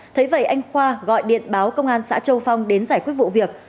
thế vậy anh khoa gọi điện báo công an xã châu phong đến giải quyết vụ việc